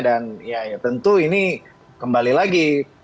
dan ya tentu ini kembali lagi